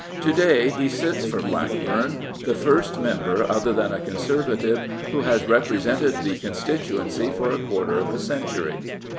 To day he sits for Blackburn, the first member other than a Conservative who has represented the constituency for a quarter of a century.